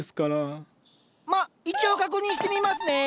まあ一応確認してみますね。